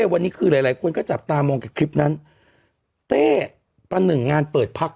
วันนี้คือหลายหลายคนก็จับตามองกับคลิปนั้นเต้ประหนึ่งงานเปิดพัก